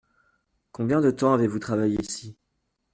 Combien de temps avez-vous travaillé ici ?